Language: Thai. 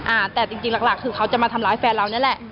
อ่าแต่จริงหลักคือเขาจะมาทำร้ายแฟนเรานี่แหละ